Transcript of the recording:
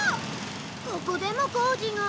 ここでも工事が。